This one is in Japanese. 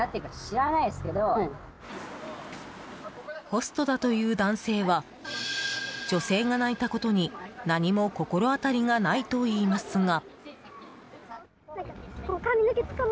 ホストだという男性は女性が泣いたことに何も心当たりがないと言いますが。